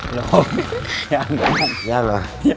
หลบยังหรอยังหรอยัง